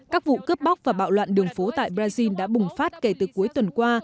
các vụ cướp bóc và bạo loạn đường phố tại brazil đã bùng phát kể từ cuối tuần qua